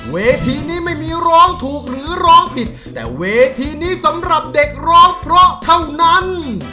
เวทีนี้ไม่มีร้องถูกหรือร้องผิดแต่เวทีนี้สำหรับเด็กร้องเพราะเท่านั้น